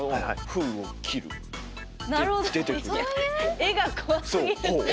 絵が怖すぎる。